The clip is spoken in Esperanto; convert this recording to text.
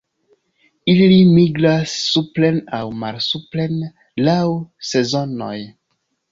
Ili migras supren aŭ malsupren laŭ sezonoj.